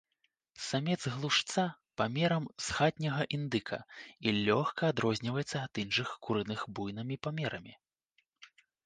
Самец глушца памерам з хатняга індыка і лёгка адрозніваецца ад іншых курыных буйнымі памерамі.